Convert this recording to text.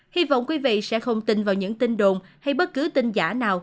hy vọng quý vị sẽ không tin vào những tin đồn hay bất cứ tin giả nào